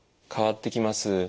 変わってきます。